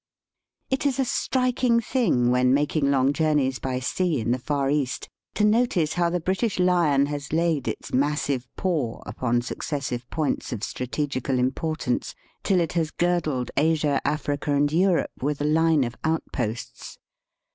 It is a striking thing, when making long journeys by sea in the far East, to notice how the British lion has laid its massive paw upon successive points of strategical importance, till it has girdled Asia, Africa, and Europe with a line of outposts.